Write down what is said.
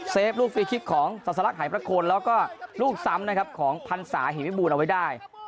เซฟลูกฟรีคิดของสรรษะละขายประโคนแล้วก็ลูกซ้ำนะครับของพันศาเห็นไม่บูนเอาไว้ได้